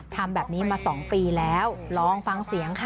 ทำแบบนี้มา๒ปีแล้วลองฟังเสียงค่ะ